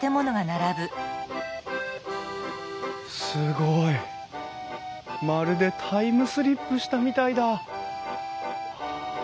すごい！まるでタイムスリップしたみたいだ。